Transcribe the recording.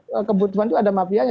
karena kebutuhan itu ada mafianya